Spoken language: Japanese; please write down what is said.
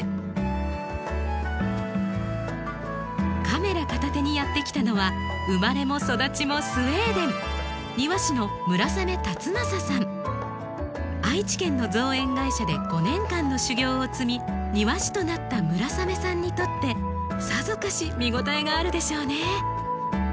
カメラ片手にやって来たのは生まれも育ちもスウェーデン愛知県の造園会社で５年間の修業を積み庭師となった村雨さんにとってさぞかし見応えがあるでしょうね。